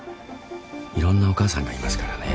いろんなお母さんがいますからね。